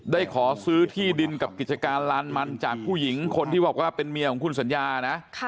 ขอซื้อที่ดินกับกิจการลานมันจากผู้หญิงคนที่บอกว่าเป็นเมียของคุณสัญญานะ